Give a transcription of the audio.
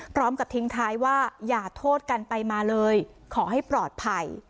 พร้อมกับทิ้งท้ายว่าอย่าโทษกันไปมาเลยขอให้ปลอดภัย